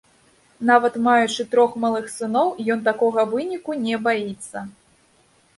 Нават маючы трох малых сыноў, ён такога выніку не баіцца.